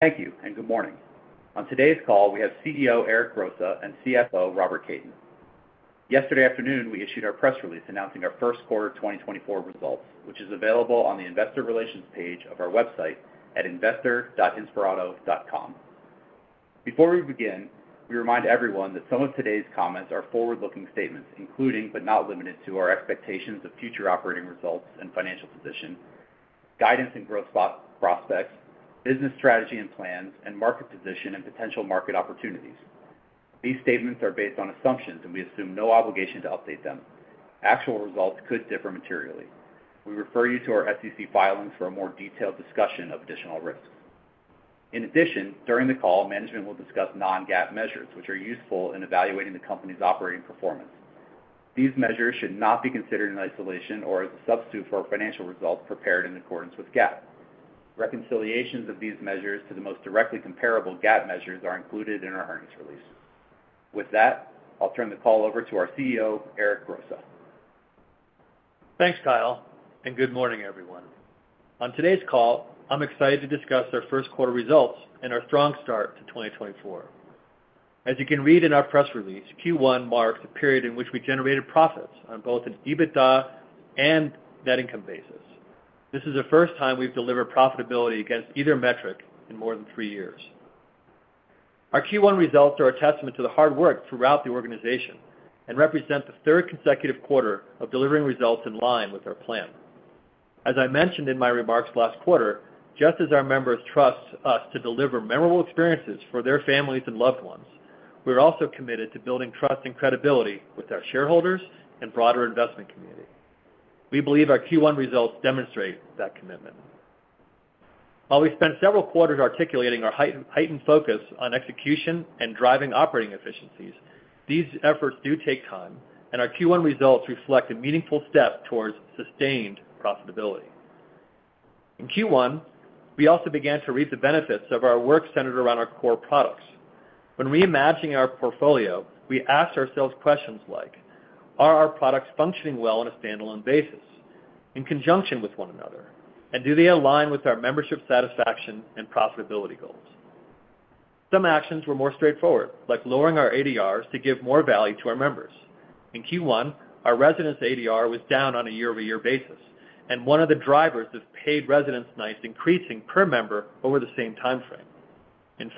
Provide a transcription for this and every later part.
Thank you, and good morning. On today's call, we have CEO Eric Grosse and CFO Robert Kaiden. Yesterday afternoon, we issued our press release announcing our first quarter 2024 results, which is available on the Investor Relations page of our website at investor.inspirato.com. Before we begin, we remind everyone that some of today's comments are forward-looking statements, including but not limited to our expectations of future operating results and financial position, guidance and growth prospects, business strategy and plans, and market position and potential market opportunities. These statements are based on assumptions, and we assume no obligation to update them. Actual results could differ materially. We refer you to our SEC filings for a more detailed discussion of additional risks. In addition, during the call, management will discuss non-GAAP measures, which are useful in evaluating the company's operating performance. These measures should not be considered in isolation or as a substitute for financial results prepared in accordance with GAAP. Reconciliations of these measures to the most directly comparable GAAP measures are included in our earnings release. With that, I'll turn the call over to our CEO, Eric Grosse. Thanks, Kyle, and good morning, everyone. On today's call, I'm excited to discuss our first quarter results and our strong start to 2024. As you can read in our press release, Q1 marked a period in which we generated profits on both an EBITDA and net income basis. This is the first time we've delivered profitability against either metric in more than three years. Our Q1 results are a testament to the hard work throughout the organization and represent the third consecutive quarter of delivering results in line with our plan. As I mentioned in my remarks last quarter, just as our members trust us to deliver memorable experiences for their families and loved ones, we are also committed to building trust and credibility with our shareholders and broader investment community. We believe our Q1 results demonstrate that commitment. While we spent several quarters articulating our heightened focus on execution and driving operating efficiencies, these efforts do take time, and our Q1 results reflect a meaningful step towards sustained profitability. In Q1, we also began to reap the benefits of our work centered around our core products. When reimagining our portfolio, we asked ourselves questions like, "Are our products functioning well on a standalone basis in conjunction with one another, and do they align with our membership satisfaction and profitability goals?" Some actions were more straightforward, like lowering our ADRs to give more value to our members. In Q1, our Residences' ADR was down on a year-over-year basis, and one of the drivers is paid Residences' nights increasing per member over the same time frame. In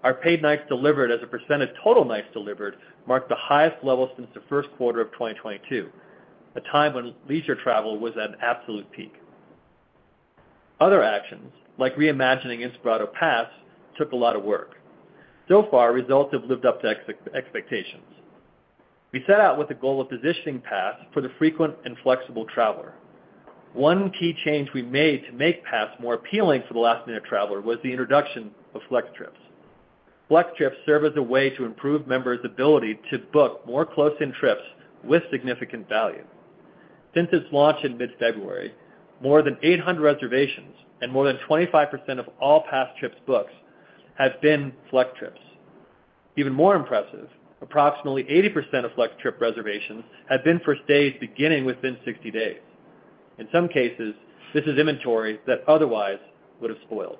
fact, our paid nights delivered as a percent of total nights delivered marked the highest level since the first quarter of 2022, a time when leisure travel was at an absolute peak. Other actions, like reimagining Inspirato Pass, took a lot of work. So far, results have lived up to expectations. We set out with the goal of positioning Pass for the frequent and flexible traveler. One key change we made to make Pass more appealing for the last-minute traveler was the introduction of FlexTrips. FlexTrips serve as a way to improve members' ability to book more close-in trips with significant value. Since its launch in mid-February, more than 800 reservations and more than 25% of all Pass trips booked have been FlexTrips. Even more impressive, approximately 80% of FlexTrips reservations have been for stays beginning within 60 days. In some cases, this is inventory that otherwise would have spoiled.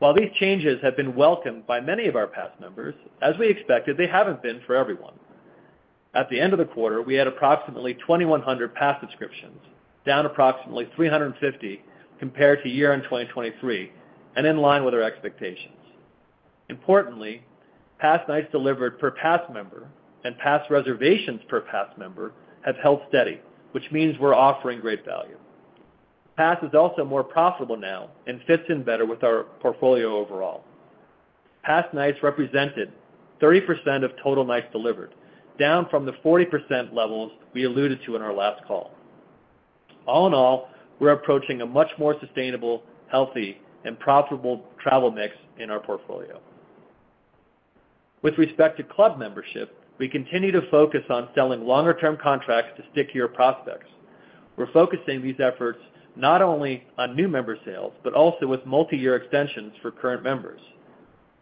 While these changes have been welcomed by many of our Pass members, as we expected, they haven't been for everyone. At the end of the quarter, we had approximately 2,100 Pass subscriptions, down approximately 350 compared to year-end 2023 and in line with our expectations. Importantly, Pass nights delivered per Pass member and Pass reservations per Pass member have held steady, which means we're offering great value. Pass is also more profitable now and fits in better with our portfolio overall. Pass nights represented 30% of total nights delivered, down from the 40% levels we alluded to in our last call. All in all, we're approaching a much more sustainable, healthy, and profitable travel mix in our portfolio. With respect to club membership, we continue to focus on selling longer-term contracts to stickier prospects. We're focusing these efforts not only on new member sales but also with multi-year extensions for current members.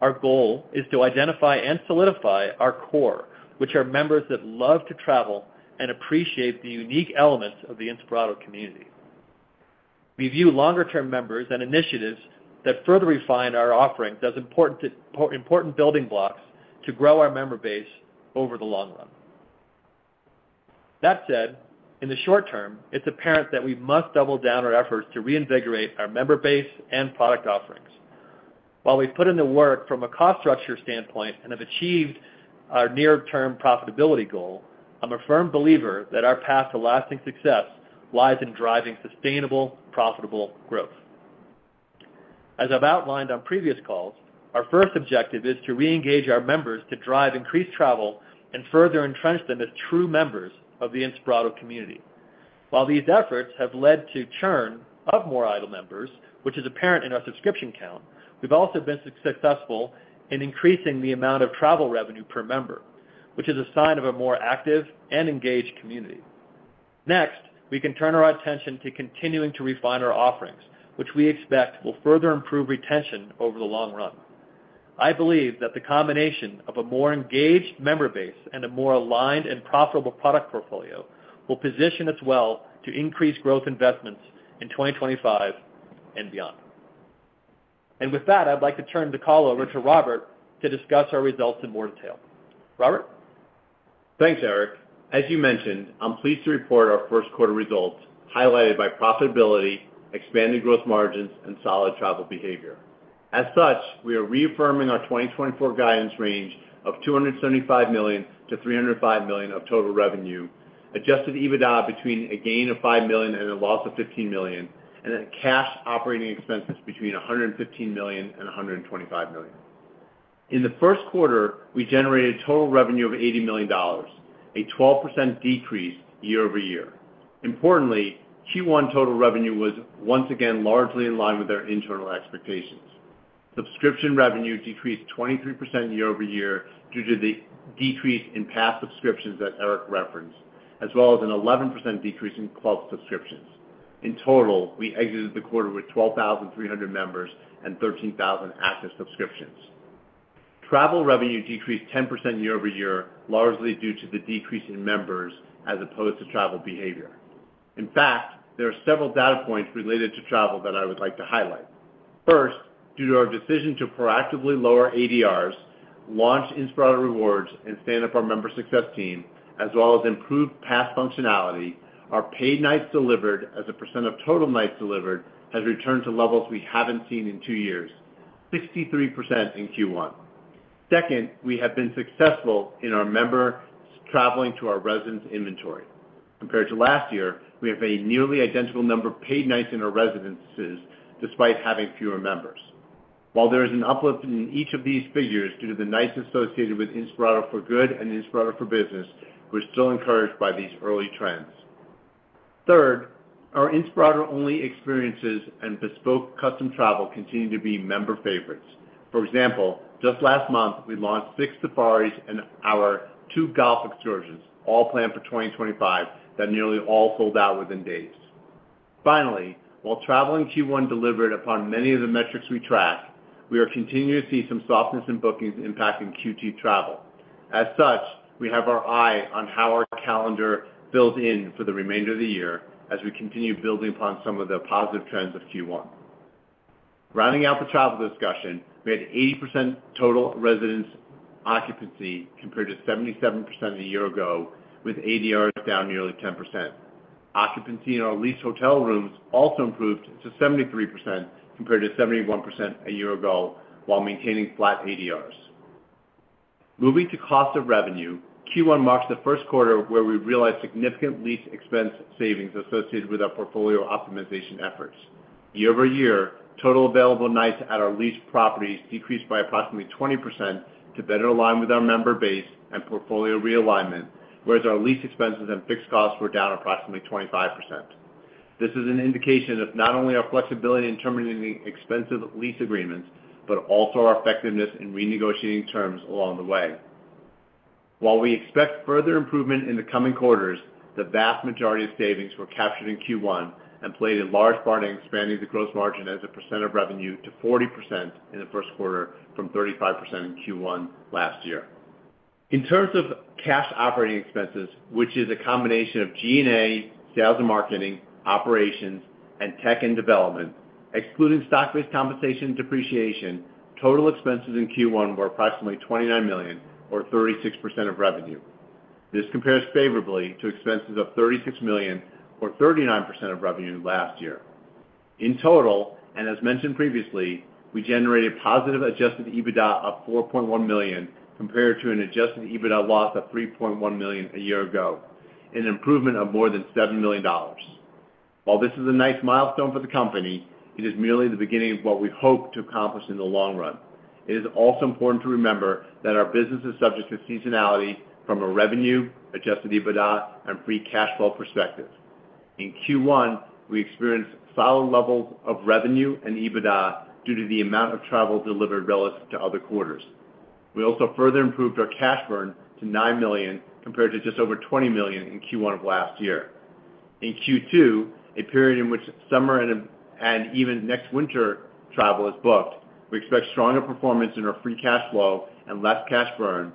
Our goal is to identify and solidify our core, which are members that love to travel and appreciate the unique elements of the Inspirato community. We view longer-term members and initiatives that further refine our offerings as important building blocks to grow our member base over the long run. That said, in the short term, it's apparent that we must double down our efforts to reinvigorate our member base and product offerings. While we've put in the work from a cost structure standpoint and have achieved our near-term profitability goal, I'm a firm believer that our path to lasting success lies in driving sustainable, profitable growth. As I've outlined on previous calls, our first objective is to reengage our members to drive increased travel and further entrench them as true members of the Inspirato community. While these efforts have led to churn of more idle members, which is apparent in our subscription count, we've also been successful in increasing the amount of travel revenue per member, which is a sign of a more active and engaged community. Next, we can turn our attention to continuing to refine our offerings, which we expect will further improve retention over the long run. I believe that the combination of a more engaged member base and a more aligned and profitable product portfolio will position us well to increase growth investments in 2025 and beyond. And with that, I'd like to turn the call over to Robert to discuss our results in more detail. Robert? Thanks, Eric. As you mentioned, I'm pleased to report our first quarter results highlighted by profitability, expanded gross margins, and solid travel behavior. As such, we are reaffirming our 2024 guidance range of $275 million-$305 million of total revenue, Adjusted EBITDA between a gain of $5 million and a loss of $15 million, and cash operating expenses between $115 million and $125 million. In the first quarter, we generated total revenue of $80 million, a 12% decrease year-over-year. Importantly, Q1 total revenue was once again largely in line with our internal expectations. Subscription revenue decreased 23% year-over-year due to the decrease in Pass subscriptions that Eric referenced, as well as an 11% decrease in club subscriptions. In total, we exited the quarter with 12,300 members and 13,000 active subscriptions. Travel revenue decreased 10% year-over-year, largely due to the decrease in members as opposed to travel behavior. In fact, there are several data points related to travel that I would like to highlight. First, due to our decision to proactively lower ADRs, launch Inspirato Rewards, and stand up our member success team, as well as improve Pass functionality, our paid nights delivered as a % of total nights delivered has returned to levels we haven't seen in two years, 63% in Q1. Second, we have been successful in our members traveling to our residences' inventory. Compared to last year, we have a nearly identical number of paid nights in our residences despite having fewer members. While there is an uplift in each of these figures due to the nights associated with Inspirato for Good and Inspirato for Business, we're still encouraged by these early trends. Third, our Inspirato Only Experiences and bespoke custom travel continue to be member favorites. For example, just last month, we launched six safaris and two golf excursions, all planned for 2025, that nearly all sold out within days. Finally, while travel in Q1 delivered upon many of the metrics we track, we are continuing to see some softness in bookings impacting Q2 travel. As such, we have our eye on how our calendar builds in for the remainder of the year as we continue building upon some of the positive trends of Q1. Rounding out the travel discussion, we had 80% total Residences' occupancy compared to 77% a year ago, with ADRs down nearly 10%. Occupancy in our leased hotel rooms also improved to 73% compared to 71% a year ago while maintaining flat ADRs. Moving to cost of revenue, Q1 marks the first quarter where we realized significant lease expense savings associated with our portfolio optimization efforts. Year-over-year, total available nights at our leased properties decreased by approximately 20% to better align with our member base and portfolio realignment, whereas our lease expenses and fixed costs were down approximately 25%. This is an indication of not only our flexibility in terminating expensive lease agreements but also our effectiveness in renegotiating terms along the way. While we expect further improvement in the coming quarters, the vast majority of savings were captured in Q1 and played a large part in expanding the gross margin as a percent of revenue to 40% in the first quarter from 35% in Q1 last year. In terms of cash operating expenses, which is a combination of G&A, sales and marketing, operations, and tech and development, excluding stock-based compensation depreciation, total expenses in Q1 were approximately $29 million or 36% of revenue. This compares favorably to expenses of $36 million or 39% of revenue last year. In total, and as mentioned previously, we generated positive Adjusted EBITDA of $4.1 million compared to an Adjusted EBITDA loss of $3.1 million a year ago, an improvement of more than $7 million. While this is a nice milestone for the company, it is merely the beginning of what we hope to accomplish in the long run. It is also important to remember that our business is subject to seasonality from a revenue, Adjusted EBITDA, and free cash flow perspective. In Q1, we experienced solid levels of revenue and EBITDA due to the amount of travel delivered relative to other quarters. We also further improved our cash burn to $9 million compared to just over $20 million in Q1 of last year. In Q2, a period in which summer and even next winter travel is booked, we expect stronger performance in our free cash flow and less cash burn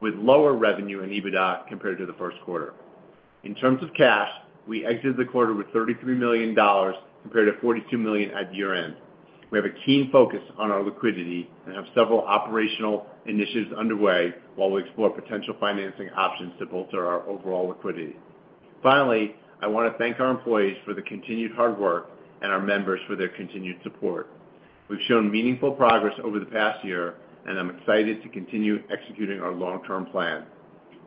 with lower revenue and EBITDA compared to the first quarter. In terms of cash, we exited the quarter with $33 million compared to $42 million at year-end. We have a keen focus on our liquidity and have several operational initiatives underway while we explore potential financing options to bolster our overall liquidity. Finally, I want to thank our employees for the continued hard work and our members for their continued support. We've shown meaningful progress over the past year, and I'm excited to continue executing our long-term plan.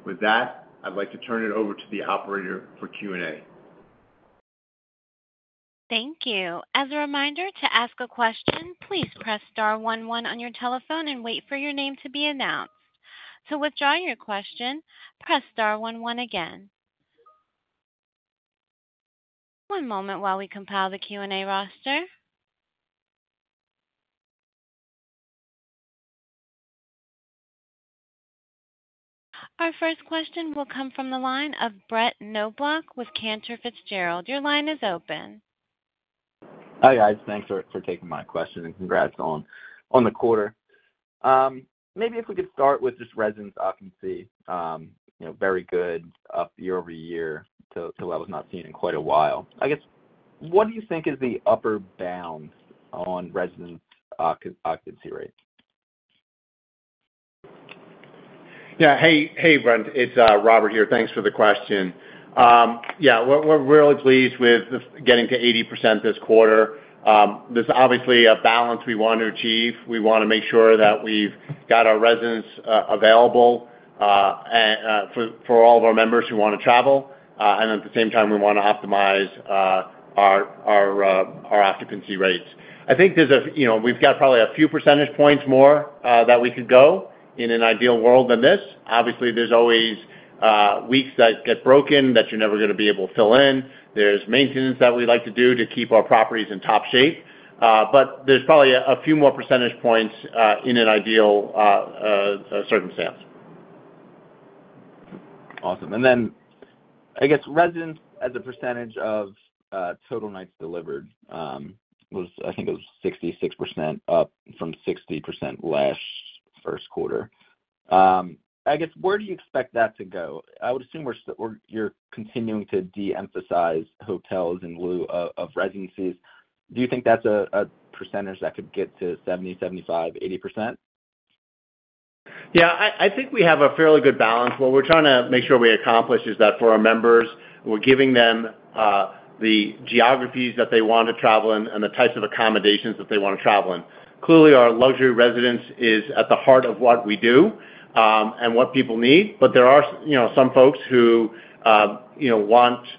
With that, I'd like to turn it over to the operator for Q&A. Thank you. As a reminder, to ask a question, please press star one one on your telephone and wait for your name to be announced. To withdraw your question, press star one one again. One moment while we compile the Q&A roster. Our first question will come from the line of Brett Knoblauch with Cantor Fitzgerald. Your line is open. Hi guys. Thanks for taking my question, and congrats on the quarter. Maybe if we could start with just Residences' occupancy, very good year-over-year to levels not seen in quite a while. I guess, what do you think is the upper bound on Residences' occupancy rate? Yeah. Hey, Brett. It's Robert here. Thanks for the question. Yeah, we're really pleased with getting to 80% this quarter. There's obviously a balance we want to achieve. We want to make sure that we've got our Residences available for all of our members who want to travel, and at the same time, we want to optimize our occupancy rates. I think we've got probably a few percentage points more that we could go in an ideal world than this. Obviously, there's always weeks that get broken that you're never going to be able to fill in. There's maintenance that we like to do to keep our properties in top shape, but there's probably a few more percentage points in an ideal circumstance. Awesome. Then, I guess, residents as a percentage of total nights delivered, I think it was 66% up from 60% last first quarter. I guess, where do you expect that to go? I would assume you're continuing to de-emphasize hotels in lieu of Residencies. Do you think that's a percentage that could get to 70%, 75%, 80%? Yeah, I think we have a fairly good balance. What we're trying to make sure we accomplish is that for our members, we're giving them the geographies that they want to travel in and the types of accommodations that they want to travel in. Clearly, our luxury residence is at the heart of what we do and what people need, but there are some folks who want to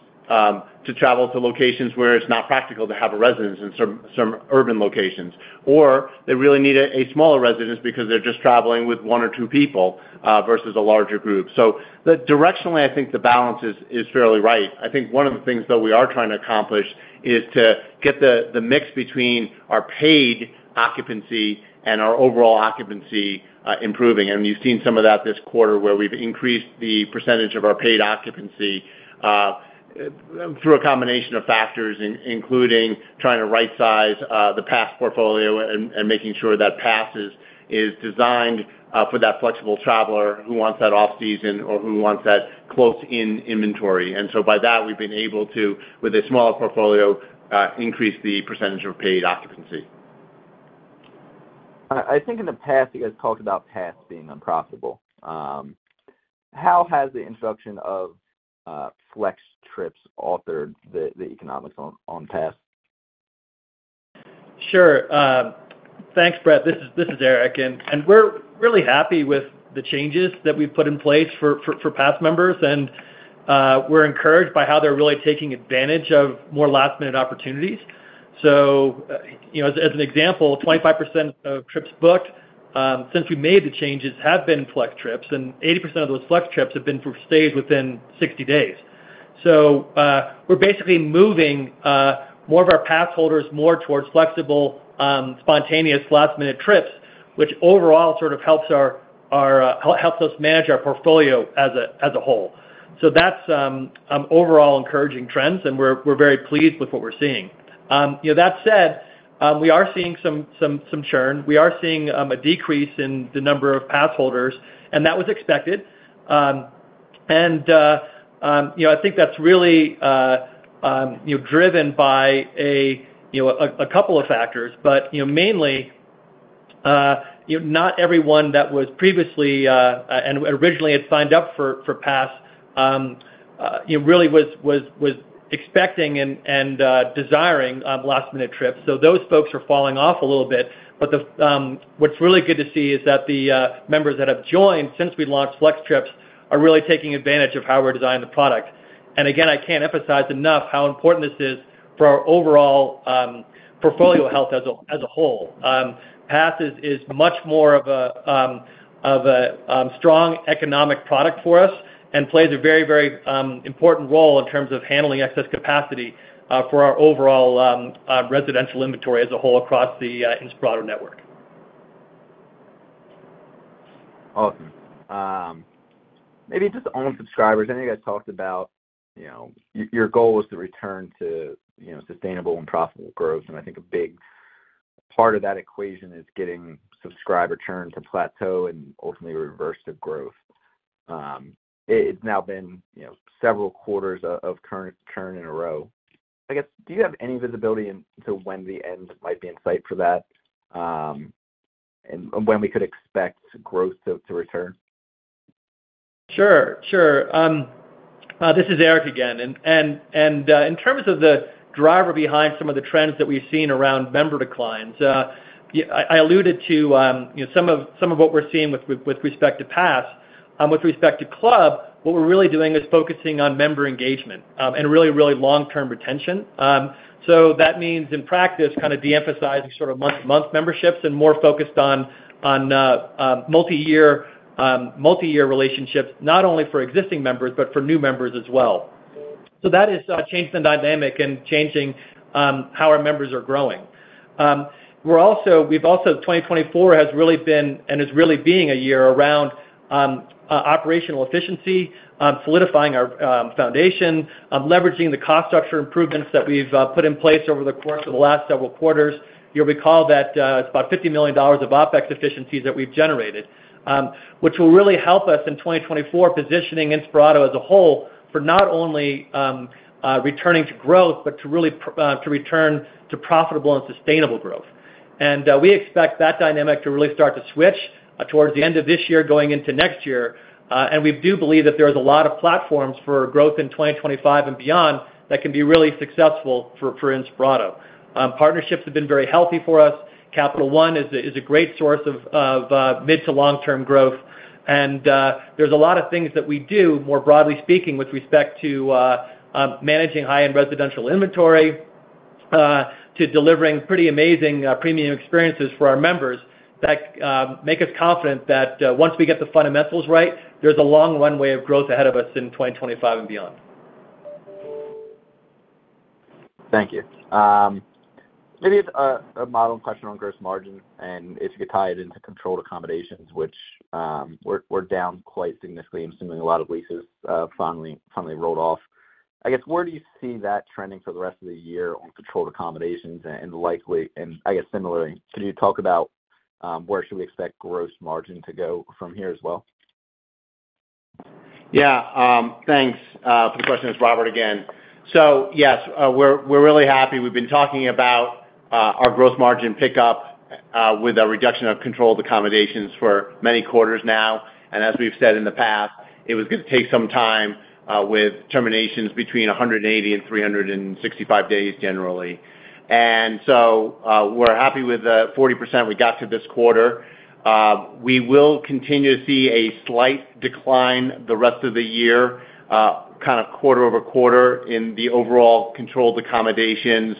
travel to locations where it's not practical to have a residence in some urban locations, or they really need a smaller residence because they're just traveling with one or two people versus a larger group. So directionally, I think the balance is fairly right. I think one of the things, though, we are trying to accomplish is to get the mix between our paid occupancy and our overall occupancy improving. And you've seen some of that this quarter where we've increased the percentage of our paid occupancy through a combination of factors, including trying to right-size the Pass portfolio and making sure that Pass is designed for that flexible traveler who wants that off-season or who wants that close-in inventory. And so by that, we've been able to, with a smaller portfolio, increase the percentage of paid occupancy. I think in the past, you guys talked about Pass being unprofitable. How has the introduction of Flex Trips altered the economics on Pass? Sure. Thanks, Brett. This is Eric, and we're really happy with the changes that we've put in place for Pass members, and we're encouraged by how they're really taking advantage of more last-minute opportunities. So as an example, 25% of trips booked since we made the changes have been Flex Trips, and 80% of those Flex Trips have been for stays within 60 days. So we're basically moving more of our Pass holders more towards flexible, spontaneous, last-minute trips, which overall sort of helps us manage our portfolio as a whole. So that's overall encouraging trends, and we're very pleased with what we're seeing. That said, we are seeing some churn. We are seeing a decrease in the number of Pass holders, and that was expected. And I think that's really driven by a couple of factors, but mainly, not everyone that was previously and originally had signed up for Pass really was expecting and desiring last-minute trips. So those folks are falling off a little bit, but what's really good to see is that the members that have joined since we launched Flex Trips are really taking advantage of how we're designing the product. And again, I can't emphasize enough how important this is for our overall portfolio health as a whole. Pass is much more of a strong economic product for us and plays a very, very important role in terms of handling excess capacity for our overall residential inventory as a whole across the Inspirato network. Awesome. Maybe just on subscribers. I know you guys talked about your goal was to return to sustainable and profitable growth, and I think a big part of that equation is getting subscriber churn to plateau and ultimately reverse the growth. It's now been several quarters of current churn in a row. I guess, do you have any visibility into when the end might be in sight for that and when we could expect growth to return? Sure. Sure. This is Eric again. And in terms of the driver behind some of the trends that we've seen around member declines, I alluded to some of what we're seeing with respect to Pass. With respect to Club, what we're really doing is focusing on member engagement and really, really long-term retention. So that means, in practice, kind of de-emphasizing sort of month-to-month memberships and more focused on multi-year relationships, not only for existing members but for new members as well. So that is changing the dynamic and changing how our members are growing. We've also, 2024 has really been and is really being a year around operational efficiency, solidifying our foundation, leveraging the cost structure improvements that we've put in place over the course of the last several quarters. You'll recall that it's about $50 million of OPEX efficiencies that we've generated, which will really help us in 2024 positioning Inspirato as a whole for not only returning to growth but to really return to profitable and sustainable growth. And we expect that dynamic to really start to switch towards the end of this year, going into next year. And we do believe that there's a lot of platforms for growth in 2025 and beyond that can be really successful for Inspirato. Partnerships have been very healthy for us. Capital One is a great source of mid to long-term growth, and there's a lot of things that we do, more broadly speaking, with respect to managing high-end residential inventory to delivering pretty amazing premium experiences for our members that make us confident that once we get the fundamentals right, there's a long runway of growth ahead of us in 2025 and beyond. Thank you. Maybe a model question on Gross Margin, and if you could tie it into Controlled Accommodations, which we're down quite significantly. I'm assuming a lot of leases finally rolled off. I guess, where do you see that trending for the rest of the year on Controlled Accommodations and likely and I guess, similarly, could you talk about where should we expect Gross Margin to go from here as well? Yeah. Thanks for the question, Robert, again. So yes, we're really happy. We've been talking about our gross margin pickup with a reduction of controlled accommodations for many quarters now. As we've said in the past, it was going to take some time with terminations between 180 days-365 days, generally. So we're happy with the 40% we got to this quarter. We will continue to see a slight decline the rest of the year, kind of quarter-over-quarter, in the overall controlled accommodations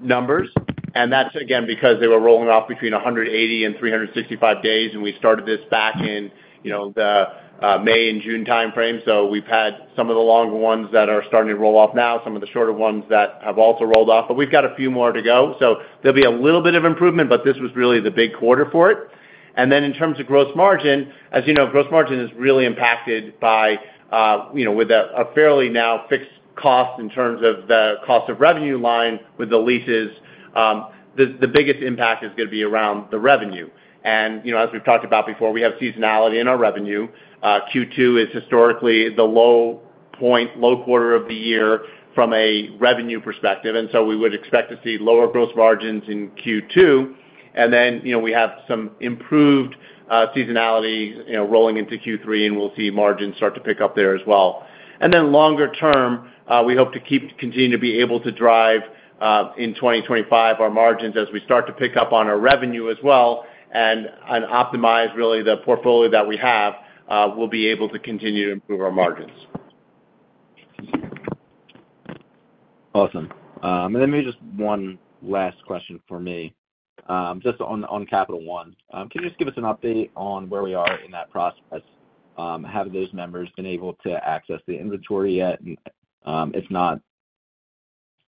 numbers. That's, again, because they were rolling off between 180 days-365 days, and we started this back in the May and June timeframe. We've had some of the longer ones that are starting to roll off now, some of the shorter ones that have also rolled off, but we've got a few more to go. So there'll be a little bit of improvement, but this was really the big quarter for it. And then in terms of gross margin, as you know, gross margin is really impacted by, with a fairly now fixed cost in terms of the cost of revenue line with the leases. The biggest impact is going to be around the revenue. And as we've talked about before, we have seasonality in our revenue. Q2 is historically the low point, low quarter of the year from a revenue perspective, and so we would expect to see lower gross margins in Q2. And then we have some improved seasonality rolling into Q3, and we'll see margins start to pick up there as well. And then longer term, we hope to continue to be able to drive in 2025 our margins as we start to pick up on our revenue as well, and optimize really the portfolio that we have. We'll be able to continue to improve our margins. Awesome. And then maybe just one last question for me, just on Capital One. Can you just give us an update on where we are in that process? Have those members been able to access the inventory yet? If not,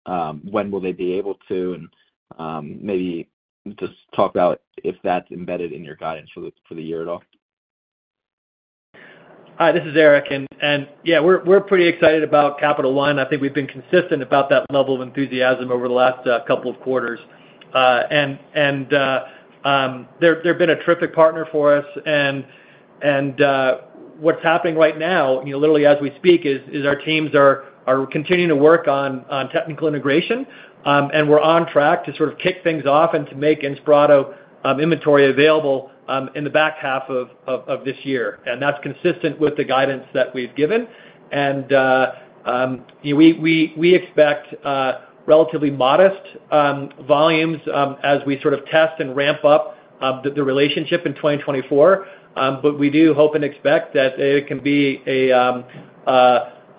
when will they be able to? And maybe just talk about if that's embedded in your guidance for the year at all? Hi, this is Eric. Yeah, we're pretty excited about Capital One. I think we've been consistent about that level of enthusiasm over the last couple of quarters. They've been a terrific partner for us. What's happening right now, literally as we speak, is our teams are continuing to work on technical integration, and we're on track to sort of kick things off and to make Inspirato inventory available in the back half of this year. That's consistent with the guidance that we've given. We expect relatively modest volumes as we sort of test and ramp up the relationship in 2024, but we do hope and expect that it can be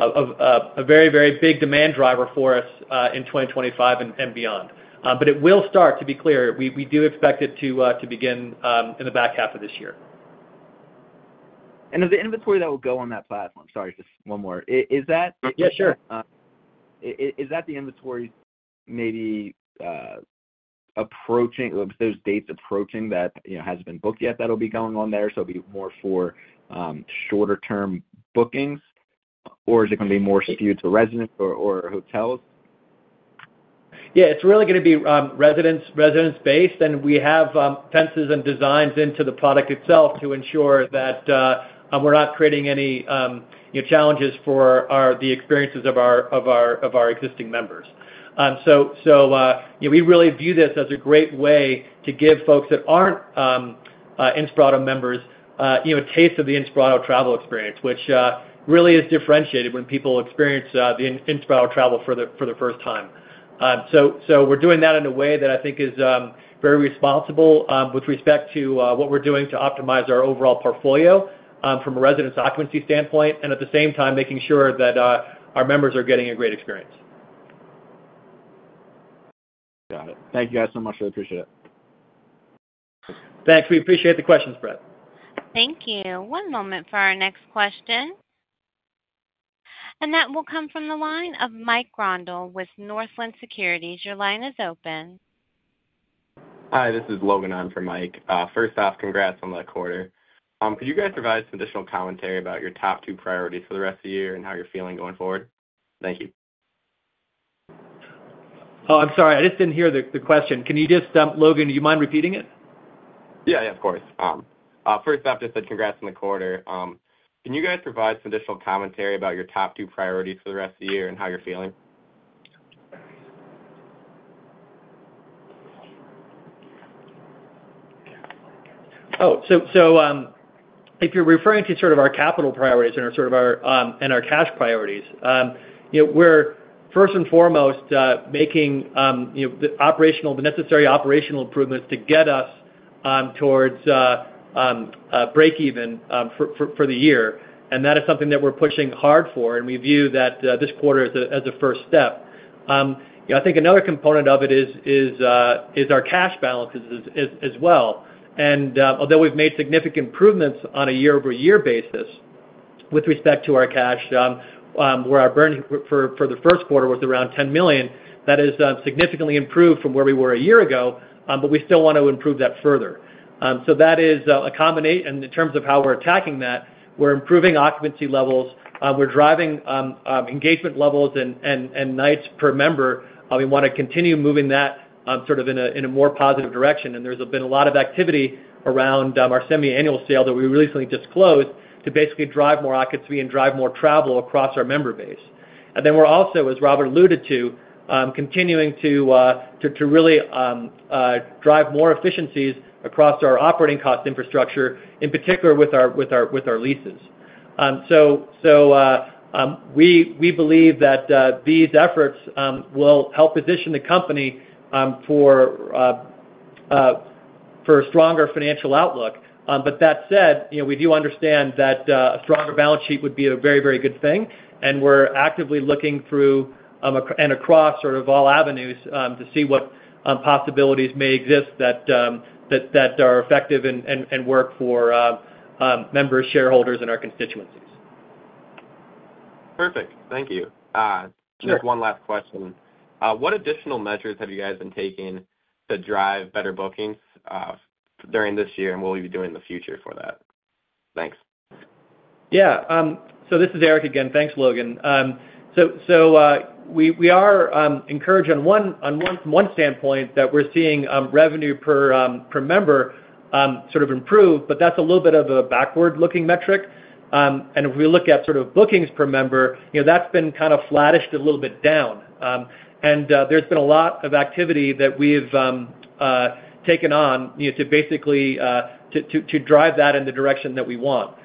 a very, very big demand driver for us in 2025 and beyond. But it will start, to be clear. We do expect it to begin in the back half of this year. And of the inventory that will go on that platform, sorry, just one more. Is that. Yeah, sure. Is that the inventory maybe approaching those dates approaching that hasn't been booked yet that'll be going on there? So it'll be more for shorter-term bookings, or is it going to be more skewed to residences or hotels? Yeah, it's really going to be Residences-based, and we have fences and designs into the product itself to ensure that we're not creating any challenges for the experiences of our existing members. So we really view this as a great way to give folks that aren't Inspirato members a taste of the Inspirato travel experience, which really is differentiated when people experience the Inspirato travel for the first time. So we're doing that in a way that I think is very responsible with respect to what we're doing to optimize our overall portfolio from a Residences occupancy standpoint and at the same time making sure that our members are getting a great experience. Got it. Thank you guys so much. I appreciate it. Thanks. We appreciate the questions, Brett. Thank you. One moment for our next question. That will come from the line of Mike Grondahl with Northland Securities. Your line is open. Hi, this is Logan Hennen on for Mike Grondahl. First off, congrats on the quarter. Could you guys provide some additional commentary about your top two priorities for the rest of the year and how you're feeling going forward? Thank you. Oh, I'm sorry. I just didn't hear the question. Can you just, Logan, do you mind repeating it? Yeah, yeah, of course. First off, just said congrats on the quarter. Can you guys provide some additional commentary about your top two priorities for the rest of the year and how you're feeling? Oh, so if you're referring to sort of our capital priorities and our cash priorities, we're first and foremost making the necessary operational improvements to get us towards break-even for the year. That is something that we're pushing hard for, and we view that this quarter as a first step. I think another component of it is our cash balances as well. Although we've made significant improvements on a year-over-year basis with respect to our cash, where our burn for the first quarter was around $10 million, that has significantly improved from where we were a year ago, but we still want to improve that further. So that is a combination. In terms of how we're attacking that, we're improving occupancy levels. We're driving engagement levels and nights per member. We want to continue moving that sort of in a more positive direction. There's been a lot of activity around our semi-annual sale that we recently disclosed to basically drive more occupancy and drive more travel across our member base. We're also, as Robert alluded to, continuing to really drive more efficiencies across our operating cost infrastructure, in particular with our leases. We believe that these efforts will help position the company for a stronger financial outlook. That said, we do understand that a stronger balance sheet would be a very, very good thing, and we're actively looking through and across sort of all avenues to see what possibilities may exist that are effective and work for members, shareholders, and our constituencies. Perfect. Thank you. Just one last question. What additional measures have you guys been taking to drive better bookings during this year, and what will you be doing in the future for that? Thanks. Yeah. So this is Eric again. Thanks, Logan. So we are encouraged on one standpoint that we're seeing revenue per member sort of improve, but that's a little bit of a backward-looking metric. And if we look at sort of bookings per member, that's been kind of flattish a little bit down. And there's been a lot of activity that we've taken on to basically drive that in the direction that we want.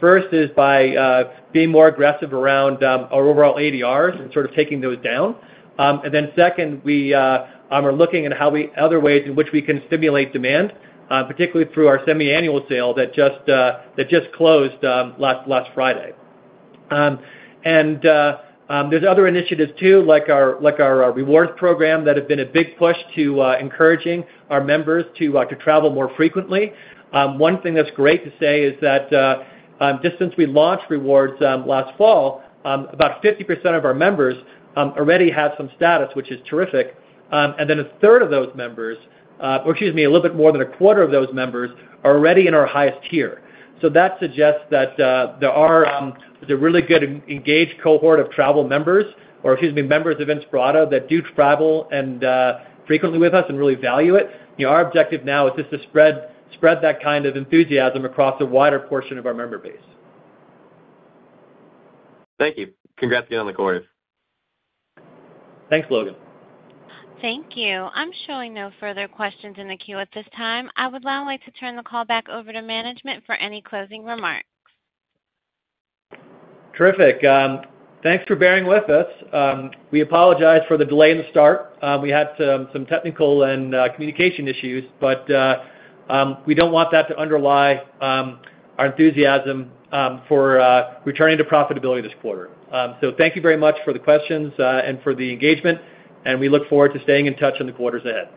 First is by being more aggressive around our overall ADRs and sort of taking those down. And then second, we are looking at other ways in which we can stimulate demand, particularly through our semi-annual sale that just closed last Friday. And there's other initiatives too, like our rewards program that have been a big push to encouraging our members to travel more frequently. One thing that's great to say is that just since we launched rewards last fall, about 50% of our members already have some status, which is terrific. And then a third of those members or excuse me, a little bit more than a quarter of those members are already in our highest tier. So that suggests that there is a really good engaged cohort of travel members or excuse me, members of Inspirato that do travel frequently with us and really value it. Our objective now is just to spread that kind of enthusiasm across a wider portion of our member base. Thank you. Congrats again on the quarters. Thanks, Logan. Thank you. I'm showing no further questions in the queue at this time. I would now like to turn the call back over to management for any closing remarks. Terrific. Thanks for bearing with us. We apologize for the delay in the start. We had some technical and communication issues, but we don't want that to underlie our enthusiasm for returning to profitability this quarter. So thank you very much for the questions and for the engagement, and we look forward to staying in touch in the quarters ahead.